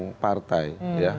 yang partai ya